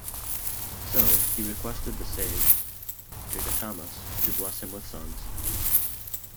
So, he requested the sage, Dirghatamas, to bless him with sons.